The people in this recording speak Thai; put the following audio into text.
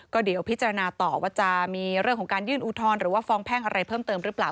ก็เดี๋ยวพิจารณาต่อว่าจะมีเรื่องของการยื่นอุทธรณ์หรือว่าฟ้องแพ่งอะไรเพิ่มเติมหรือเปล่า